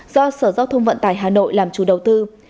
do sở giao thông vận tải hà nội làm chủ đầu tư